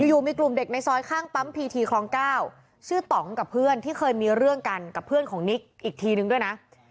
อยู่มีกลุ่มเด็กในซอยข้างปั๊มพีทีคลอง๙ชื่อต่องกับเพื่อนที่เคยมีเรื่องกันกับเพื่อนของนิกอีกทีนึงด้วยนะ